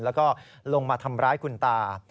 แล้วก็ลงมาทำร้ายคุณตา